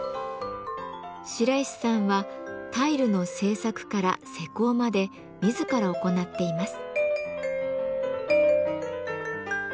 白石さんはタイルの制作から施工まで自ら行っています。